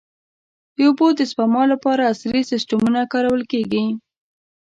د اوبو د سپما لپاره عصري سیستمونه کارول کېږي.